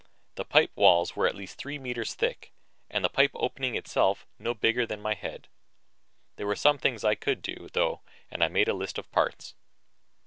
The pipe walls were at least three meters thick and the pipe opening itself no bigger than my head. There were some things I could do, though, and I made a list of parts.